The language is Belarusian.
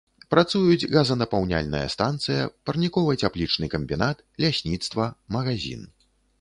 Працуюць газанапаўняльная станцыя, парнікова-цяплічны камбінат, лясніцтва, магазін.